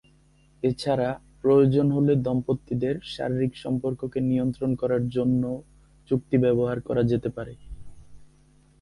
এছাড়া, প্রয়োজন হলে দম্পতিদের শারীরিক সম্পর্ককে নিয়ন্ত্রণ করার জন্যও চুক্তি ব্যবহার করা যেতে পারে।